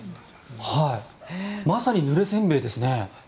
まさにぬれ煎餅ですね。